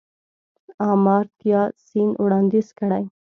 آمارتیا سېن وړانديز کړی.